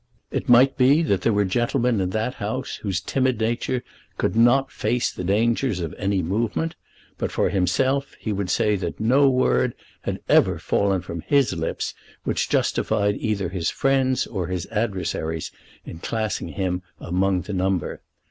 It might be that there were gentlemen in that House whose timid natures could not face the dangers of any movement; but for himself he would say that no word had ever fallen from his lips which justified either his friends or his adversaries in classing him among the number.